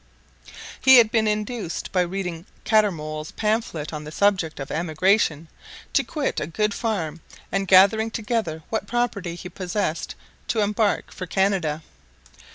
He had been induced, by reading Cattermole's pamphlet on the subject of Emigration, to quit a good farm, and gathering together what property he possessed, to embark for Canada.